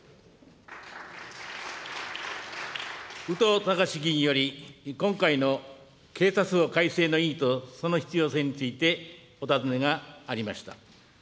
宇都隆史議員より、今回の警察法改正の意義とその必要性について、お尋ねがありました。